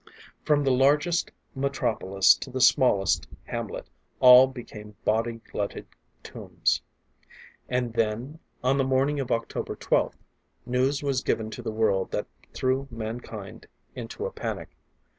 From the largest metropolis to the smallest hamlet, all became body glutted tombs. And then, on the morning of October 12th, news was given to the world that threw mankind into a panic.